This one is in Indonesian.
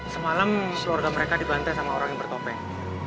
semalam keluarga mereka dibantai sama orang yang bertopeng